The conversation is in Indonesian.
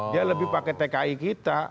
dia lebih pakai tki kita